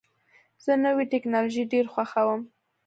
زه نوې ټکنالوژۍ ډېر خوښوم.